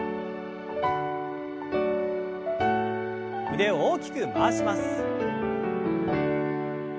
腕を大きく回します。